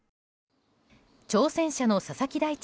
挑戦者の佐々木大地